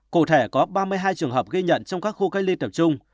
cụ thể có ba mươi hai trường hợp ghi nhận trong các khu cách ly tập trung